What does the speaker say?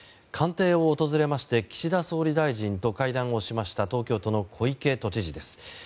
官邸を訪れまして岸田総理大臣と会談をしました東京都の小池都知事です。